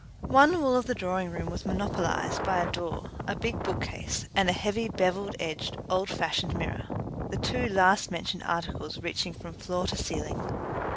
One wall of the drawing room was monopolized by a door, a big bookcase, and a heavy bevelled edged old fashioned mirror the two last mentioned articles reaching from floor to ceiling.